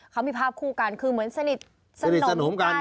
เขามีภาพคู่กันคือเหมือนสนิทสนมกัน